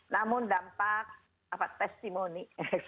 namun dampak apa testimoni